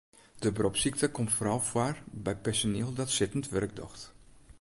De beropssykte komt foaral foar by personiel dat sittend wurk docht.